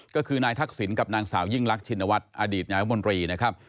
ก็คือนายทักษิณกับนางสาวยิ่งรักชินวัฒน์อดีตนายรัฐมนตรีนะครับ